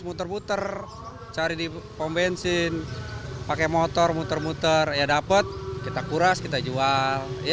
muter muter cari di pom bensin pakai motor muter muter ya dapat kita kuras kita jual